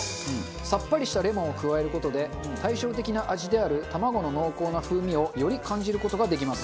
さっぱりしたレモンを加える事で対照的な味である卵の濃厚な風味をより感じる事ができます。